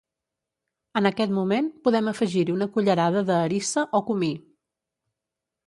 En aquest moment, podem afegir-hi una cullerada de harissa o comí.